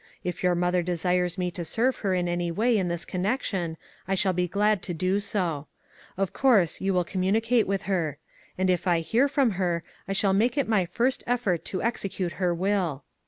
If your mother desires me to serve her in any way in this con nection, I shall be glad to do so. Of course you will 386 ONE COMMONPLACE DAY. communicate with her; and if I hear from her, I shall make it my first effort to execute her will.